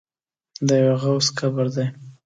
د یوه غوث قبر دی.